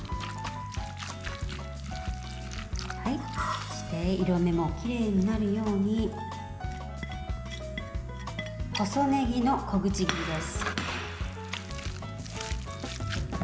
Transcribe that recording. そして色味もきれいになるように細ねぎの小口切りです。